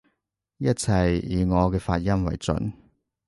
一切以我嘅發音爲準